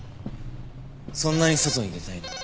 そんなに外に出たいのか？